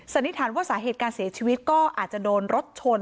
นิษฐานว่าสาเหตุการเสียชีวิตก็อาจจะโดนรถชน